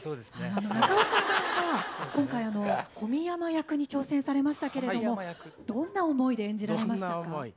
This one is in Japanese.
中岡さんは今回こみやま役に挑戦されましたけれどもどんな思いで演じられましたか？